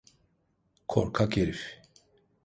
Korkak herif!